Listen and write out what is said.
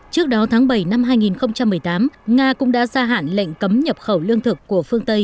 trước đó tháng bảy năm hai nghìn một mươi tám nga cũng đã gia hạn lệnh cấm nhập khẩu lương thực của phương tây